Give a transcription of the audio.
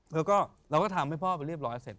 แล้วก็เราก็ทำให้พ่อไปเรียบร้อยเสร็จ